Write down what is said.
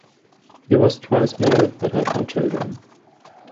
He was twice married but had no children.